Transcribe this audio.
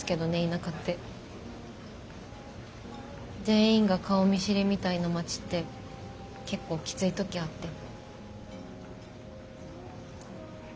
全員が顔見知りみたいな町って結構きつい時あって。